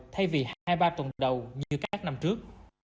thay vì hai ba tuần đầu như các năm trước